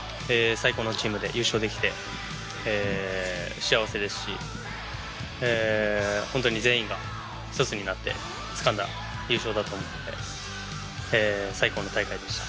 最高のチームで優勝できて、幸せですし、本当に全員が一つになってつかんだ優勝だと思うので、最高の大会でした。